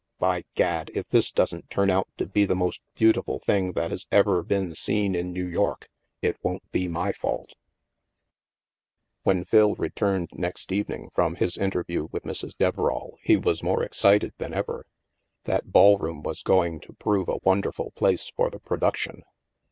By Gad, if this doesn't turn out to be the most beautiful thing that has ever been seen in New York, it won't be my fault" When Phil returned next evening from his in terview with Mrs. Deverall, he was more excited than ever. That ballroom was going to prove a wonderful place for the production.